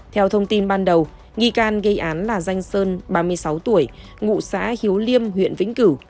theo thông tin ban đầu nghi can gây án là danh sơn ba mươi sáu tuổi ngụ xã hiếu liêm huyện vĩnh cửu